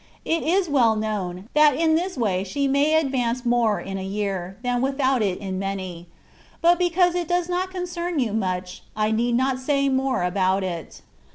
It is well known^ that in this way she may advance more in a year, than without it in many ; but because it does not concern you much, I need not say more about it.